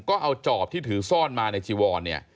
ก็เอาจอบที่ถือซ่อนมาในชีวอน